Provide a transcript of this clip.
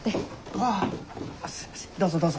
ああどうぞどうぞ。